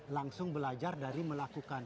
langsung belajar dari melakukan